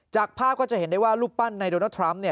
จากภาพก็จะเห็นได้ว่ารูปปั้นในโดนัลดทรัมป์